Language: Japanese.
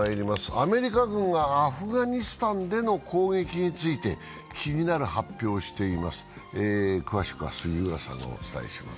アメリカ軍がアフガニスタンでの攻撃について気になる発表をしています。